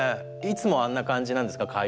いつもあんな感じなんですか？